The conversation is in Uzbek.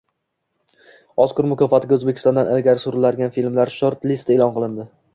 Oskar mukofotiga O‘zbekistondan ilgari suriladigan filmlar short-listi e’lon qilindi